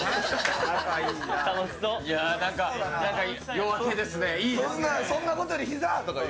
夜明けですね、いいですね。